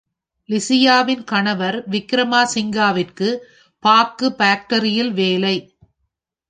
லிஸியாவின் கணவர் விக்ரமசிங்காவிற்கு, பாக்கு பாக்டரியில் வேலை.